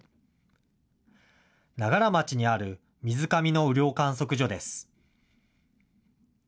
長柄町にある水上の雨量観測所です。